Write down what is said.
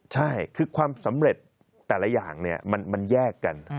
ใช่คือความสำเร็จแต่ละอย่างเนี่ยมันแยกกัน